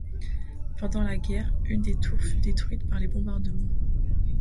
Pendant la guerre une des tours fut détruite par les bombardements.